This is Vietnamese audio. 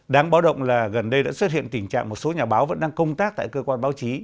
đáng báo động là gần đây đã xuất hiện tình trạng một số nhà báo vẫn đang công tác tại cơ quan báo chí